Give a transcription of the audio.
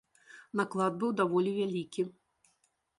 Наклад быў даволі вялікі.